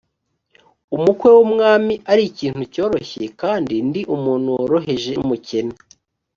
umukwe w umwami ari ikintu cyoroshye kandi ndi umuntu woroheje n umukene